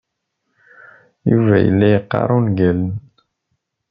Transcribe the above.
Yuba yella yaqqar ungalen.